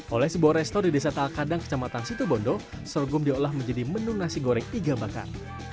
oleh sebuah restor di desa tal kadang kecamatan situbondo sorghum diolah menjadi menu nasi goreng tiga bakar